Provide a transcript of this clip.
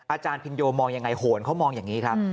อาจารย์พินโยมองยังไงโหนเขามองอย่างนี้ครับ